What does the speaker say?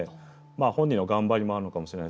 本人の頑張りもあるのかもしれないですけど